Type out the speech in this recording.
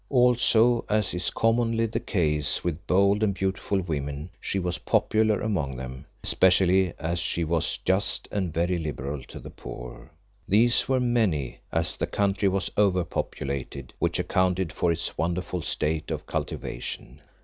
Also, as is commonly the case with bold and beautiful women, she was popular among them, especially as she was just and very liberal to the poor. These were many, as the country was over populated, which accounted for its wonderful state of cultivation.